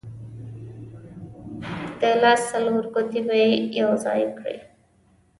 د لاس څلور ګوتې به یې یو ځای کړې.